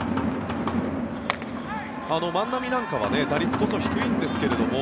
万波なんかは打率こそ低いんですけれども